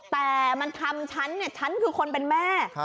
แต่มันทำฉันเนี่ยฉันคือคนเป็นแม่